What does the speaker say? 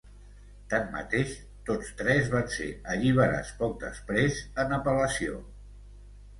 Tanmateix, tots tres van ser alliberats poc després en apel·lació.